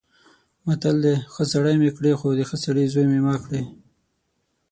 متل دی: ښه سړی مې کړې خو د ښه سړي زوی مې مه کړې.